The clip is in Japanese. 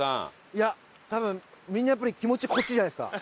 いや多分みんなやっぱり気持ちこっちじゃないですか？